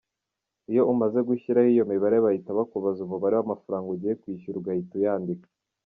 Iyo umaze gushyiramo iyo mibare bahita bakubaza umubare w’amafaranga ugiye kwishyura ugahita uyandika.